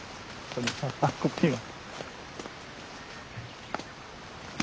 あっこっちにも。